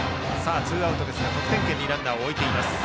ツーアウトですが得点圏にランナーを置いています。